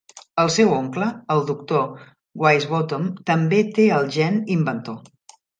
El seu oncle, el doctor Wisebottom, també té el gen inventor.